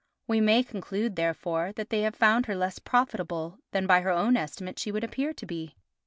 We may conclude, therefore, that they have found her less profitable than by her own estimate she would appear to be.